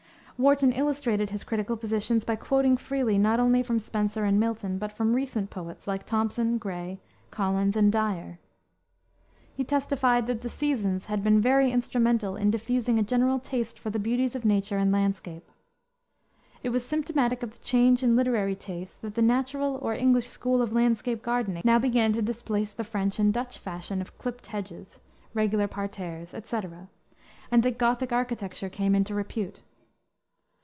Warton illustrated his critical positions by quoting freely not only from Spenser and Milton, but from recent poets, like Thomson, Gray, Collins, and Dyer. He testified that the Seasons had "been very instrumental in diffusing a general taste for the beauties of nature and landscape." It was symptomatic of the change in literary taste that the natural or English school of landscape gardening now began to displace the French and Dutch fashion of clipped hedges, regular parterres, etc., and that Gothic architecture came into repute.